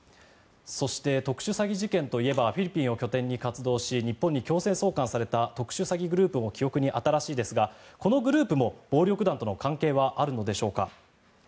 そして、特殊詐欺事件といえばフィリピンを拠点に活動し日本に強制送還された特殊詐欺グループも記憶に新しいですがこのグループも暴力団との関係はあるのでしょうか。